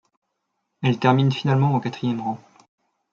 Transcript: Elle termine finalement au quatrième rang.